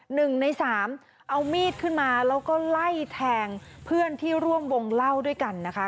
หนึ่งในสามเอามีดขึ้นมาแล้วก็ไล่แทงเพื่อนที่ร่วมวงเล่าด้วยกันนะคะ